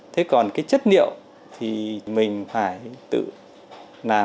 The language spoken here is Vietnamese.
thế còn chất liệu thì mình phải tự làm